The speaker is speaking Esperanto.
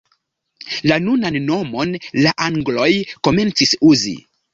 La nunan nomon la angloj komencis uzi.